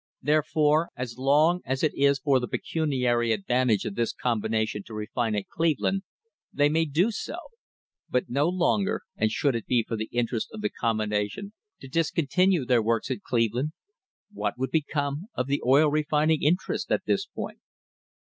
Therefore, so long as it is for the pecuniary advantage of this combination to refine at Cleveland they may do so, but no longer, and should it be for the interest of the combination to discontinue their works at Cleveland, what would become of the oil refining interest at this point